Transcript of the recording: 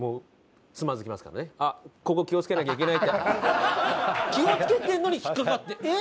あっここ気をつけなきゃいけないって気をつけてるのに引っ掛かってえっ！？